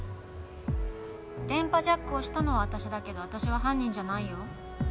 電波ジャックをしたのは私だけど私は犯人じゃないよ